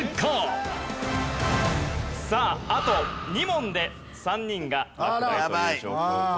さああと２問で３人が落第という状況変わりません。